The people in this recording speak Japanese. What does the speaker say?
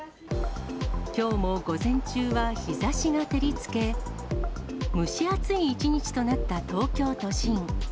きょうも午前中は日ざしが照りつけ、蒸し暑い一日となった東京都心。